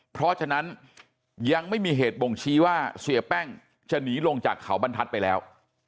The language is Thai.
เพราะฉะนั้นยังไม่มีเหตุบ่งชี้ว่าเสียแป้งจะหนีลงจากเขาบรรทัศน์ไปแล้ว